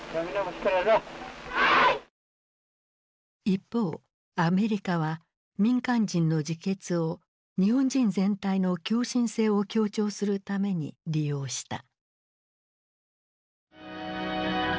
一方アメリカは民間人の自決を日本人全体の狂信性を強調するために利用した。